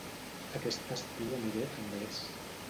Aquest estiu aniré a Anglès